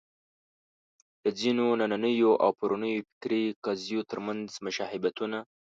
د ځینو نننیو او پرونیو فکري قضیو تر منځ مشابهتونه شته.